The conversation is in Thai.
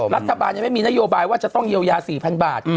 รัฐบาลยังไม่มีนโยบายว่าจะต้องเยียวยา๔๐๐๐บาท